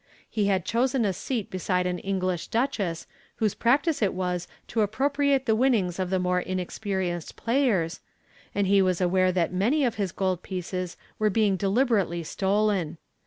He had chosen a seat beside an English duchess whose practice it was to appropriate the winnings of the more inexperienced players, and he was aware that many of his gold pieces were being deliberately stolen.